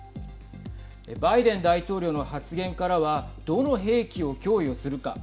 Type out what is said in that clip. バイデン大統領の発言からはどの兵器を供与するか。